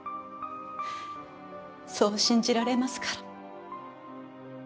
そう信じられますから。